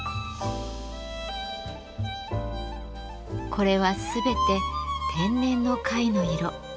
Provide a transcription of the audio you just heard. これは全て天然の貝の色。